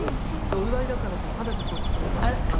お祝いだからってタダで撮ってくださったんです